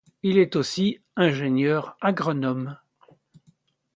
Il est aussi ingénieur agronome.